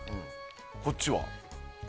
こっちは。